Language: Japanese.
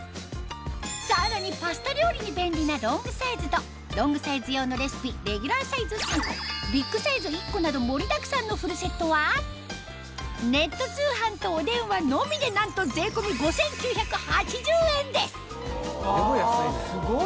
さらにパスタ料理に便利なロングサイズとロングサイズ用のレシピレギュラーサイズ３個ビッグサイズ１個など盛りだくさんのフルセットはネット通販とお電話のみでなんとあすごい。